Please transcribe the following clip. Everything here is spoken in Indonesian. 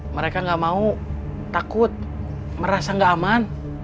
mereka nggak mau takut merasa nggak aman